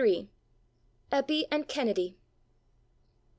EPPY AND KENNEDY.